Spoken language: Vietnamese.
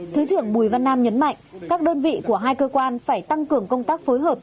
thứ trưởng bùi văn nam nhấn mạnh các đơn vị của hai cơ quan phải tăng cường công tác phối hợp